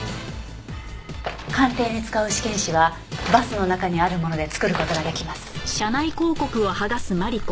鑑定に使う試験紙はバスの中にあるもので作る事が出来ます。